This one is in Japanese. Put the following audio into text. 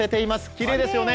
きれいですよね。